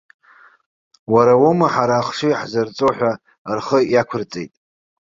Уара уоума ҳара ахшыҩ ҳзырҵо ҳәа, рхы иақәырҵеит.